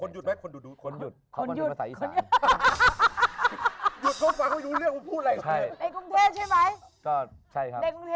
ในกรุงเทพฯแล้วไง